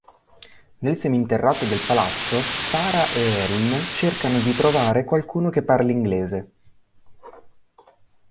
Nel seminterrato del palazzo Sarah e Erin cercano di trovare qualcuno che parli inglese.